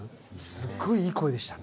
すごくいい声でしたよ。